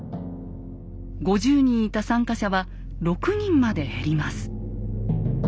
５０人いた参加者は６人まで減ります。